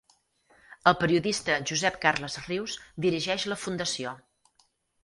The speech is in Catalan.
El periodista Josep Carles Rius dirigeix la Fundació.